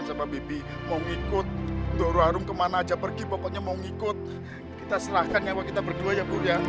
sampai jumpa di video selanjutnya